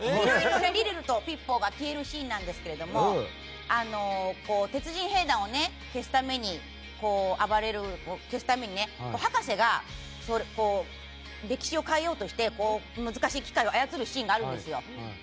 リルルとピッポが消えるシーンなんですけど鉄人兵団を消すために博士が歴史を変えようとして難しい機械を操るシーンがあるんです。